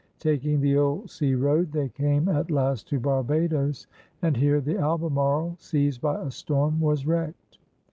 Taking the old sea road, they came at last to Barbados, and here the Albemarle, seized by a storm, was wrecked.